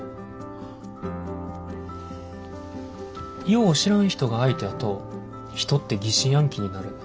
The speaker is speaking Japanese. よう知らん人が相手やと人って疑心暗鬼になる。